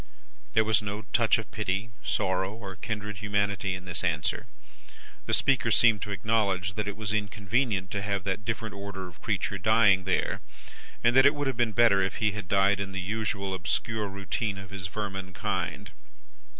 "There was no touch of pity, sorrow, or kindred humanity, in this answer. The speaker seemed to acknowledge that it was inconvenient to have that different order of creature dying there, and that it would have been better if he had died in the usual obscure routine of his vermin kind.